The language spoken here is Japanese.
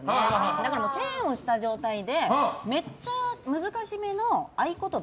だから、チェーンをした状態でめっちゃ難しめの合言葉。